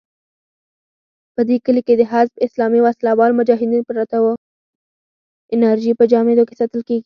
انرژي په جامدو کې ساتل کېږي.